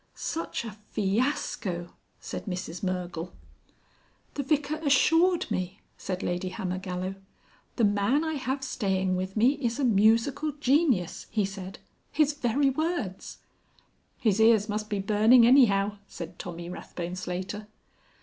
"Such a fiasco!" said Mrs Mergle. "The Vicar assured me," said Lady Hammergallow. "'The man I have staying with me is a musical genius,' he said. His very words." "His ears must be burning anyhow," said Tommy Rathbone Slater.